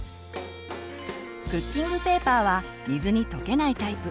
クッキングペーパーは水に溶けないタイプ。